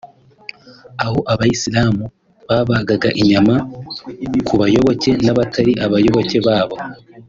aho abayisilamu babagaga inyama ku bayoboke n’abatari abayoboke babo